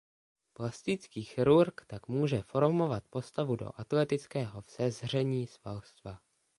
Plastický chirurg tak může formovat postavu do atletického vzezření svalstva.